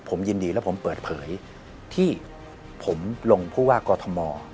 ผมยินดีแล้วผมเปิดเผยที่ผมลงผู้ว่ากอทม